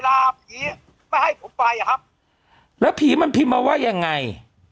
ผีป้าให้ผมไปอะครับแล้วผีมันพิมพ์มาว่ายังไง